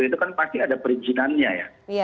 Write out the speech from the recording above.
itu kan pasti ada perizinannya ya